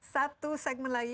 satu segmen lagi